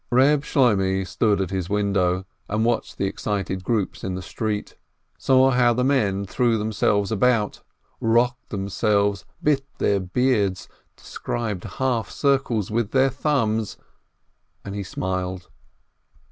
Eeb Shloimeh stood at his window, and watched the excited groups in the street, saw how the men threw themselves about, rocked themselves, bit their beards, described half circles with their thumbs, and he smiled.